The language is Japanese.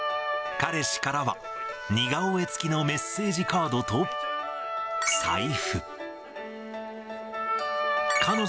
彼氏からは、似顔絵付きのメッセージカードと、財布。